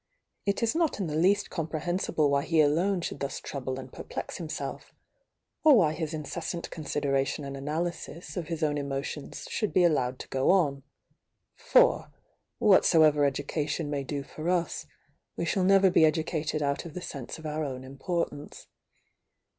It is not m the least comprehensible why he alone should thus trouble and perplex himself,— or why his incessant consideration and analysis of his own emotions should be allowed to go on —for whatsoever education may do for us, we shall'never be educated out of the sense of our own importance.